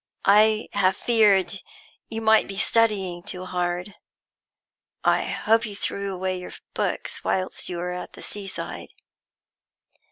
"I have feared you might be studying too hard. I hope you threw away your books whilst you were at the sea side."